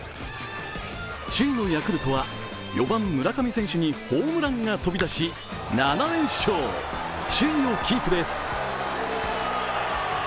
首位のヤクルトは４番・村上選手にホームランが飛び出し７連勝、首位をキープです。